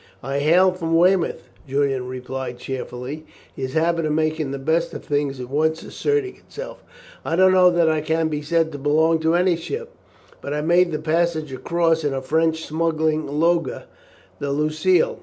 "I hail from Weymouth," Julian replied cheerfully, his habit of making the best of things at once asserting itself. "I don't know that I can be said to belong to any ship, but I made the passage across in a French smuggling lugger, the Lucille.